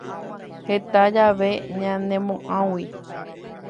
Heta jave ñanemoʼag̃ui.